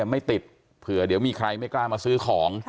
ไม่ติดเผื่อเดี๋ยวมีใครไม่กล้ามาซื้อของ